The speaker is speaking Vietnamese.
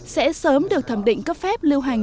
sẽ sớm được thẩm định cấp phép lưu hành